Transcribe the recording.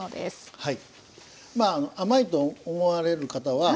はい。